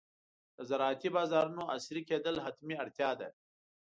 د زراعتي بازارونو عصري کېدل حتمي اړتیا ده.